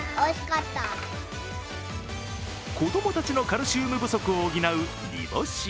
子供たちのカルシウム不足を補う煮干し。